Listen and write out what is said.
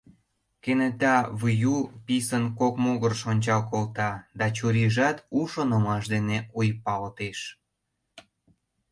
Кенета Выю писын кок могырыш ончал колта да чурийжат у шонымаш дене ойыпалтеш.